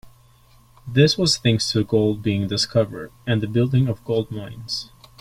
This was thanks to gold being discovered and the building of gold mines.